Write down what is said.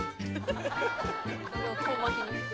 遠巻きに。